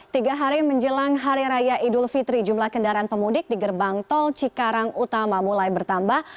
tiga hari menjelang hari raya idul fitri jumlah kendaraan pemudik di gerbang tol cikarang utama mulai bertambah